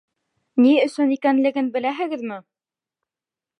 Ни өсөн икәнлеген беләһегеҙме?